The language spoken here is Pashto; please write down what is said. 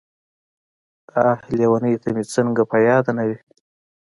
داح لېونۍ ته مې څنګه په ياده نه وې.